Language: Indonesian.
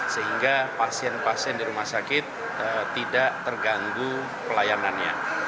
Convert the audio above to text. sehingga pasien pasien di rumah sakit tidak terganggu pelayanannya